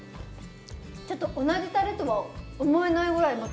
ちょっと同じたれとは思えないぐらいまた。